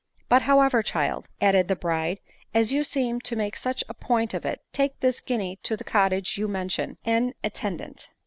But, however, child," ad ded the bride, " as you seem to make such a point of it, take this guinea to the cottage you mention, en atten dant